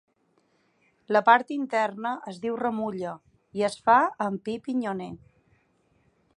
La part interna es diu ‘remulla’ i es fa amb pi pinyoner.